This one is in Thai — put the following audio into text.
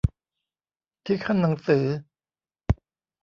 ที่คั่นหนังสือ